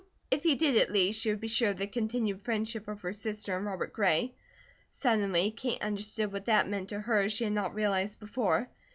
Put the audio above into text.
If he did, at least, she would be sure of the continued friendship of her sister and Robert Gray. Suddenly Kate understood what that meant to her as she had not realized before.